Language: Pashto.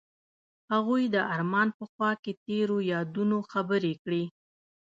هغوی د آرمان په خوا کې تیرو یادونو خبرې کړې.